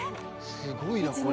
すごいなこれ。